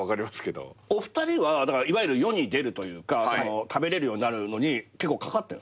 お二人はいわゆる世に出るというか食べれるようになるのに結構かかってんすか？